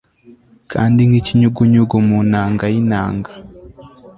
Kandi nkikinyugunyugu mu nanga yinanga